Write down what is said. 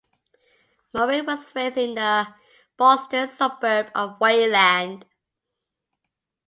Morin was raised in the Boston suburb of Wayland.